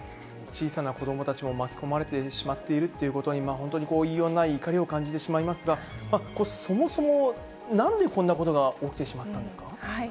小さな子どもたちも巻き込まれてしまっているということに、本当に言いようのない怒りを感じてしまいますが、そもそもなんでこんなことが起きてしまったんですか。